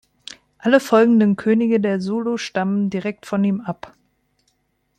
Alle folgenden Könige der Zulu stammen direkt von ihm ab.